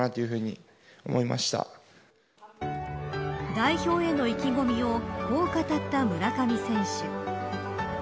代表への意気込みをこう語った村上選手。